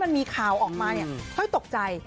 โปรดติดตามต่อไป